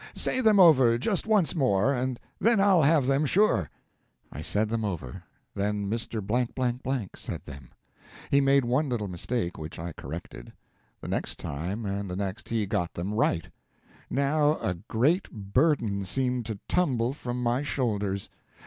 Say them over just once more, and then I'll have them, sure." I said them over. Then Mr. said them. He made one little mistake, which I corrected. The next time and the next he got them right. Now a great burden seemed to tumble from my shoulders.